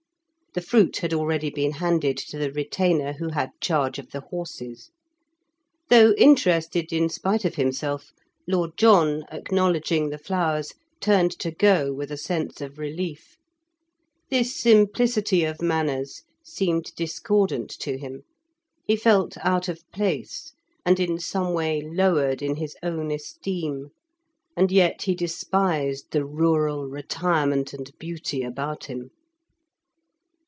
The fruit had already been handed to the retainer who had charge of the horses. Though interested, in spite of himself, Lord John, acknowledging the flowers, turned to go with a sense of relief. This simplicity of manners seemed discordant to him. He felt out of place, and in some way lowered in his own esteem, and yet he despised the rural retirement and beauty about him.